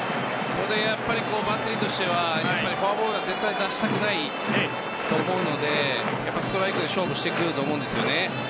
ここでバッテリーとしてはフォアボールは絶対出したくないと思うのでストライクで勝負してくると思うんですよね。